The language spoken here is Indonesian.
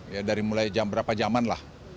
ya dari mulai jam berapa jaman lah